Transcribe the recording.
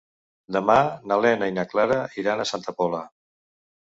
Demà na Lena i na Clara iran a Santa Pola.